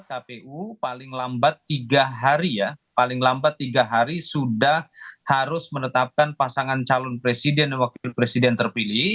kpu paling lambat tiga hari ya paling lambat tiga hari sudah harus menetapkan pasangan calon presiden dan wakil presiden terpilih